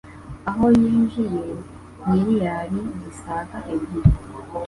aho yinjije miliyari zisaga ebyiri